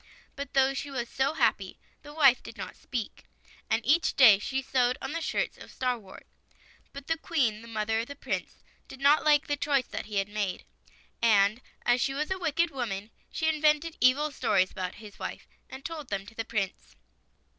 But though she was so happy, the wife did not speak, and each day she sewed on the shirts of starwojt. But the Queen, the mother of the Prince, did not like the choice that he had made ; and as she was a wicked woman, she invented [ 52 ] THE SIX SWANS evil stories about his wife, and told them to the Prince.